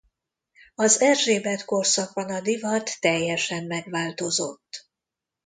Az Erzsébet korszakban a divat teljesen megváltozott.